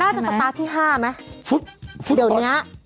น่าจะสตาร์ทที่๕มั๊ย